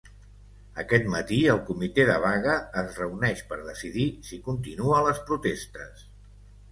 Aquest matí, el comitè de vaga es reuneix per decidir si continua les protestes.